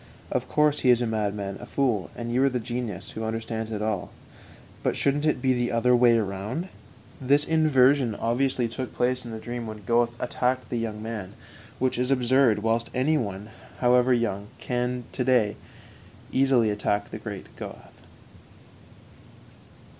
"Of course he is a madman, a fool, and you are the genius who understands all about it. But shouldn't it be the other way round?" This inversion obviously took place in the dream when Goethe attacked the young man, which is absurd, whilst any one, however young, can to day easily attack the great Goethe.